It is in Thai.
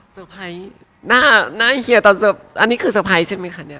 สเตอร์ไพรส์น่าเคลียร์ตอนสเตอร์ไพรส์อันนี้คือสเตอร์ไพรส์ใช่ไหมคะเนี่ย